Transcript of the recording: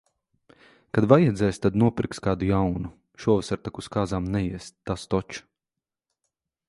Kad vajadzēs, tad nopirks kādu jaunu. Šovasar tak uz kāzām neies, tas toč.